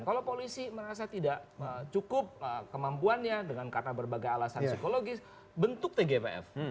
kalau polisi merasa tidak cukup kemampuannya dengan karena berbagai alasan psikologis bentuk tgpf